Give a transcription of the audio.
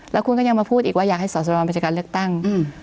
แล้วคุณก็ยังมาพูดอีกว่าอยากให้สอสรมาจากการเลือกตั้ง